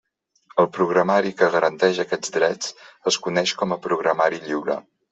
El programari que garanteix aquests drets es coneix com a programari lliure.